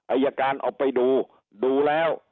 อายการเอาไปดูดูแล้ว